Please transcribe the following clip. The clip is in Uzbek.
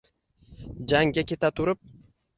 Jangga keta turib